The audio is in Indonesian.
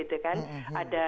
ada dua lain yang membibikannya